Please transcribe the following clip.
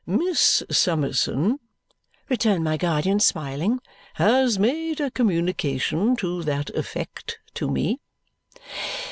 "Miss Summerson," returned my guardian, smiling, "has made a communication to that effect to me."